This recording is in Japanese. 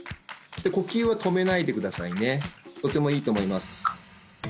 呼吸は止めないでくださいねとてもいいと思います